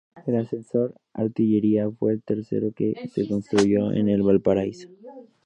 El ascensor Artillería fue el tercero que se construyó en Valparaíso.